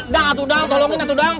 dang atuh dang tolongin atuh dang